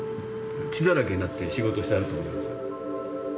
血だらけになって仕事してはると思いますよ。